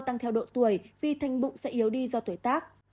thoát vị bệnh sẽ yếu đi do tuổi tác